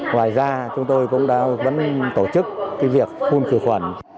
ngoài ra chúng tôi cũng đã vẫn tổ chức việc phun khử khuẩn